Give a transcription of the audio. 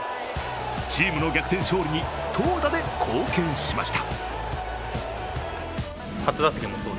チームの逆転勝利に投打で貢献しました。